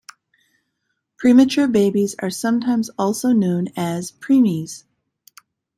Premature babies are sometimes also known as preemies.